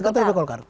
di kantor dpp kolkar